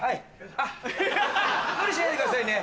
あっ無理しないでくださいね